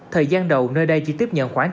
thời gian đầu nơi đây chỉ tiếp nhận khoảng